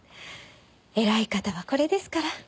偉い方はこれですから。